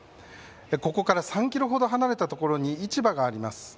ここから３キロほど離れた所に市場があります。